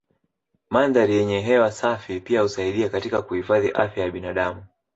Mandhari yenye hewa safi pia husaidia katika kuhifadhi afya ya binadamu